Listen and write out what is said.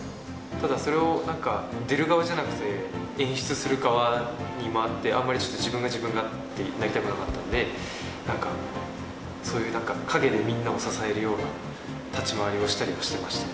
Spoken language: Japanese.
ただ、それをなんか、出る側じゃなくて、演出する側に回って、あんまりちょっと自分が自分がってなりたくなかったので、なんかそういうなんか、陰でみんなを支えるような立ち回りをしたりしてました。